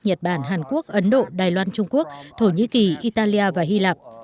nhật bản hàn quốc ấn độ đài loan trung quốc thổ nhĩ kỳ italia và hy lạp